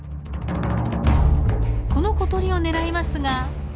この小鳥を狙いますが。